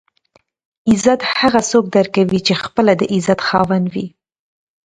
عزت هغه څوک درکوي چې خپله د عزت خاوند وي.